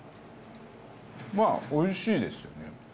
まあおいしいですよね。